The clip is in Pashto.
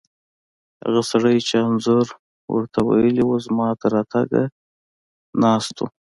هغه سړی چې انځور ور ته ویلي وو، زما تر راتګه اوسه ناست و.